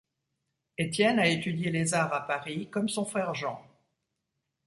Étienne a étudié les arts à Paris comme son frère Jean.